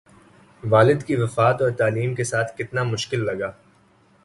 والد کی وفات اور تعلیم کے ساتھ کتنا مشکل لگا